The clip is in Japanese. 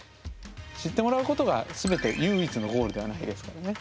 知ってもらうことが全て唯一のゴールではないですからね。